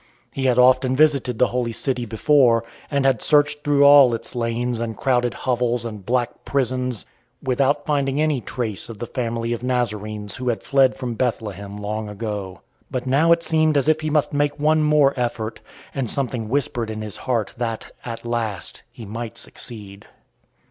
He had often visited the holy city before, and had searched through all its lanes and crowded hovels and black prisons without finding any trace of the family of Nazarenes who had fled from Bethlehem long ago. But now it seemed as if he must make one more effort, and something whispered in his heart that, at last, he might succeed.